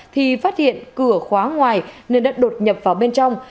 thì phát hiện cửa khóa ngoài nên đã đột nhập vào bên trong